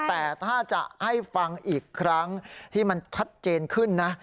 แต่ถ้าจะให้ฟังอีกครั้งที่มันชัดเจนขึ้นนะ